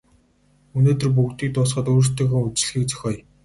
Өнөөдөр бүгдийг дуусгаад өөрсдийнхөө үдэшлэгийг зохиоё.